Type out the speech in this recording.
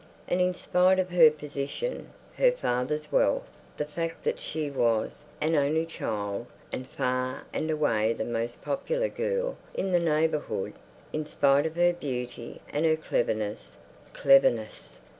And in spite of her position, her father's wealth, the fact that she was an only child and far and away the most popular girl in the neighbourhood; in spite of her beauty and her cleverness—cleverness!